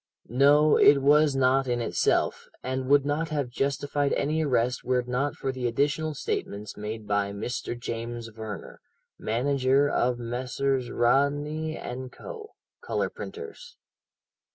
No, it was not in itself, and would not have justified any arrest were it not for the additional statements made by Mr. James Verner, manager of Messrs. Rodney & Co., colour printers.